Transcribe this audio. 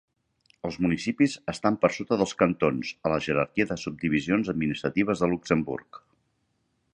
Els municipis estan per sota dels cantons a la jerarquia de subdivisions administratives de Luxemburg.